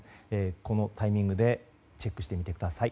このタイミングでチェックしてみてください。